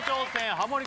ハモリ